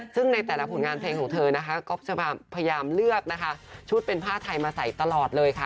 ซึ่งในแต่ละผลงานเพลงของเธอนะคะก๊อฟจะพยายามเลือกนะคะชุดเป็นผ้าไทยมาใส่ตลอดเลยค่ะ